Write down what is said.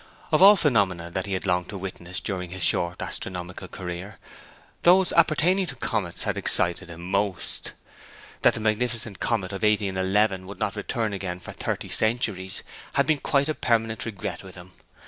Of all phenomena that he had longed to witness during his short astronomical career, those appertaining to comets had excited him most. That the magnificent comet of 1811 would not return again for thirty centuries had been quite a permanent regret with him.